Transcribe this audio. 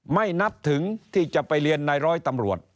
ไม่นับถึงที่จะไปเรียนในร้อยตำรวจ